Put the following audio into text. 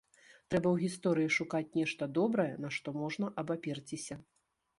Трэба ў гісторыі шукаць нешта добрае, на што можна абаперціся.